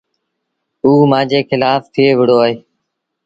اوٚ مآݩجي کلآڦ ٿئي وهُڙو اهي۔